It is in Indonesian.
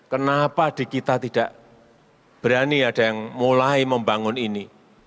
kenapa di kita tidak berani ada yang mulai membangun ini